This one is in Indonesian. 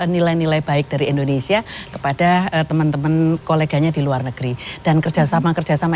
nilai nilai baik dari indonesia kepada teman teman koleganya di luar negeri dan kerjasama kerjasama